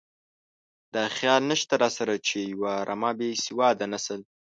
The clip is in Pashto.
دا خیال نشته راسره چې یوه رمه بې سواده نسل.